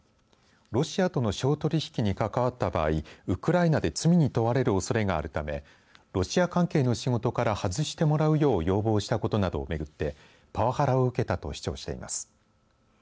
ロシアとの商取引に関わった場合ウクライナで罪に問われるおそれがあるためロシア関係の仕事から外してもらうよう要望したことなどを巡ってパワハラを受けたと主張しています。